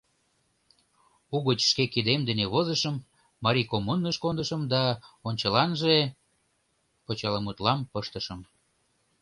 Угыч шке кидем дене возышым, «Марий коммуныш» кондышым да ончыланже почеламутлам пыштышым.